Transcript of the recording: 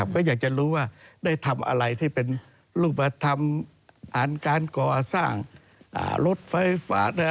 ก็อยากจะรู้ว่าได้ทำอะไรที่เป็นรูปธรรมอ่านการก่อสร้างรถไฟฝาด